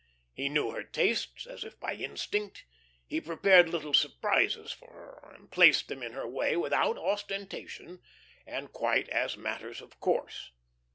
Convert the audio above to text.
He knew her tastes, as if by instinct; he prepared little surprises for her, and placed them in her way without ostentation, and quite as matters of course.